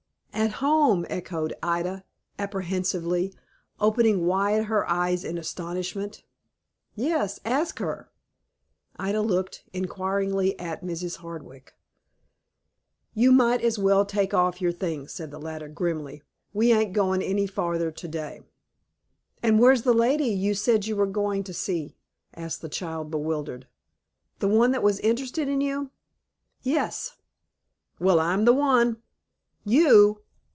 "At home!" echoed Ida, apprehensively, opening wide her eyes in astonishment. "Yes, ask her." Ida looked, inquiringly, at Mrs. Hardwick. "You might as well take off your things," said the latter, grimly. "We ain't going any farther to day." "And where's the lady you said you were going to see?" asked the child, bewildered. "The one that was interested in you?" "Yes." "Well, I'm the one." "You!"